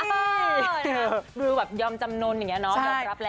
คือดูแบบยอมจำนวนอย่างนี้เนาะยอมรับแล้ว